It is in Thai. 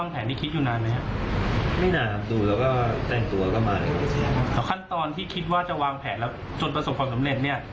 พี่คิดว่าจะวางแผนแล้วจนประสบความสำเร็จเนี่ย